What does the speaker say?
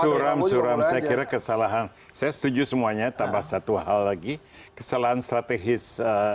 suram suram saya kira kesalahan saya setuju semuanya tambah satu hal lagi kesalahan strategis